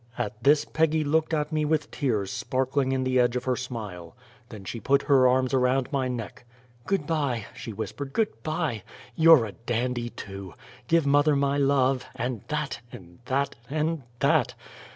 At this Peggy looked at me with tears sparkling in the edge of her smile. Then she put her arms around my neck. "Good bye," she whispered, "good bye! YOU'RE A DANDY TOO! Give mother my love and THAT and THAT and THAT!"